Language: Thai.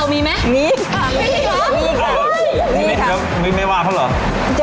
ยังไม่ว่าครับเหรอ